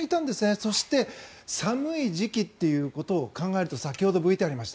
そして、寒い時期ということを考えると先ほどＶＴＲにもありました